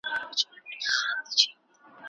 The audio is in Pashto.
جګه لکه ونه د چینار په پسرلي کي